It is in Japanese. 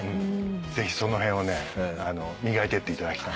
ぜひその辺をね磨いてっていただきたい。